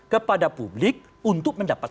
kepada publik untuk mendapat